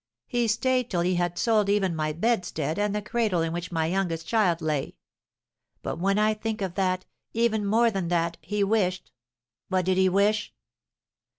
He staid till he had sold even my bedstead and the cradle in which my youngest child lay. But when I think that, even more than that, he wished " "What did he wish?"